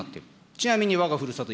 ちなみに、わがふるさと